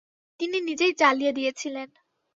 তিনি নিজেই জ্বালিয়ে দিয়েছিলেন।